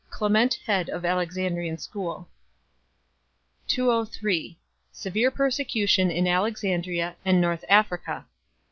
Clement head of Alexandrian School. 203 Severe persecution in Alexandria and North Africa.